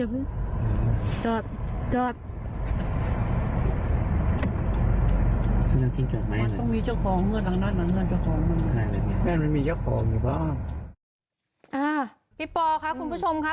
พี่ปอค่ะคุณผู้ชมค่ะ